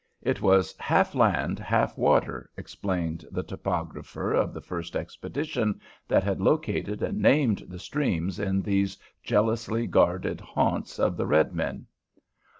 "It was half land, half water," explained the topographer of the first expedition that had located and named the streams in these jealously guarded haunts of the red men.